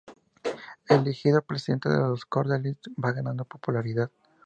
Elegido presidente de los Cordeliers va ganando popularidad.